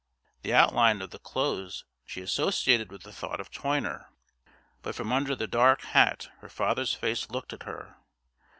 The outline of the clothes she associated with the thought of Toyner, but from under the dark hat her father's face looked at her.